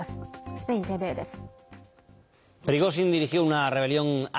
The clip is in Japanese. スペインＴＶＥです。